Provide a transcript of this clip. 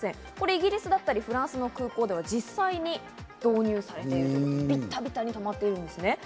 イギリスだったり、フランスの空港では、実際に導入されているということで、ビッタビタに止まっているんですね。